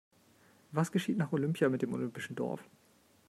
Was geschieht nach Olympia mit dem olympischen Dorf?